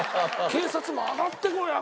警察も上がってこい！